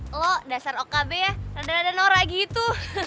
lo dasar okb ya radar radar nora gitu